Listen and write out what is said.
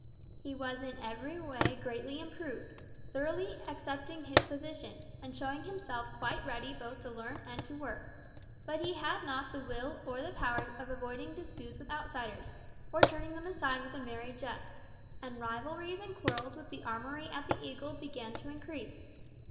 He was in every way greatly improved, thoroughly accepting his position, and showing himself quite ready both to learn and to work; but he had not the will or the power of avoiding disputes with outsiders, or turning them aside with a merry jest; and rivalries and quarrels with the armoury at the Eagle began to increase.